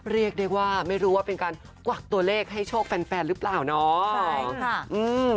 เรียกได้ว่าไม่รู้ว่าเป็นการกวักตัวเลขให้โชคแฟนแฟนหรือเปล่าเนาะ